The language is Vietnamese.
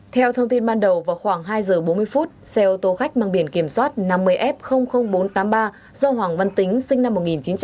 theo thông tin ban đầu vào khoảng hai giờ bốn mươi phút xe ô tô khách mang biển kiểm soát năm mươi f bốn trăm tám mươi ba do hoàng văn tính sinh năm một nghìn chín trăm tám mươi